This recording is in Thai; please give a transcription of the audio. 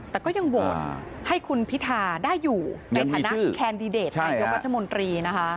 แต่ก็ยังโหวตให้คุณพิธาได้อยู่ในฐานะแคนดิเดตนายกรัฐมนตรีนะคะ